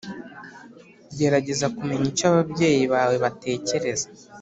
Gerageza kumenya icyo ababyeyi bawe batekereza